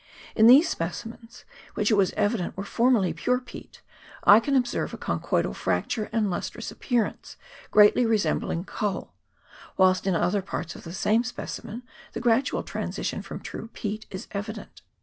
In these specimens, which it was evident were formerly pure peat, I can observe a conchoidal frac ture and lustrous appearance greatly resembling coal, whilst in other parts of the same specimen the gradual transition from true peat is evident.